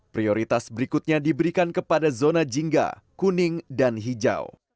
prioritas berikutnya diberikan kepada zona jingga kuning dan hijau